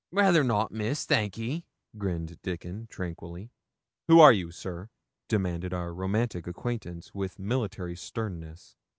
Rather not, Miss, thank ye,' grinned Dickon, tranquilly. 'Who are you, sir?' demanded our romantic acquaintance, with military sternness.